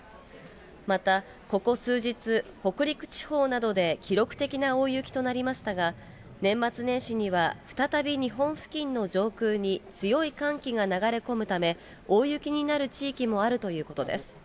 また、ここ数日、北陸地方などで記録的な大雪となりましたが、年末年始には、再び日本付近の上空に強い寒気が流れ込むため、大雪になる地域もあるということです。